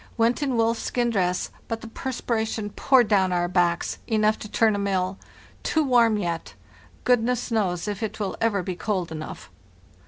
Went in wolfskin dress, but the perspiration poured down our backs enough to turn a mill. Too warm yet; goodness knows if it ever will be cold enough."